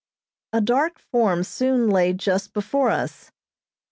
A dark form soon lay just before us.